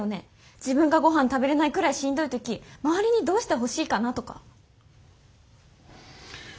自分がごはん食べれないくらいしんどい時周りにどうしてほしいかなとか。